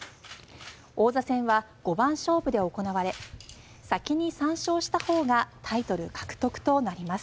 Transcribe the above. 王座戦は五番勝負で行われ先に３勝したほうがタイトル獲得となります。